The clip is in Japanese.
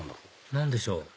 何でしょう？